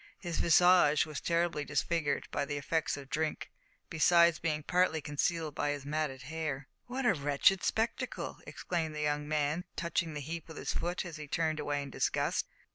His visage was terribly disfigured by the effects of drink, besides being partly concealed by his matted hair. "What a wretched spectacle!" exclaimed the young man, touching the heap with his foot as he turned away in disgust.